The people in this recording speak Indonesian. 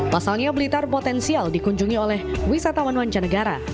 pasalnya blitar potensial dikunjungi oleh wisatawan wancar negara